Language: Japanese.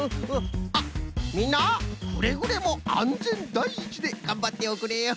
あっみんなくれぐれもあんぜんだいいちでがんばっておくれよ。